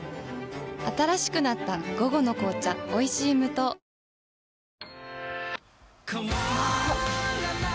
新しくなった「午後の紅茶おいしい無糖」え？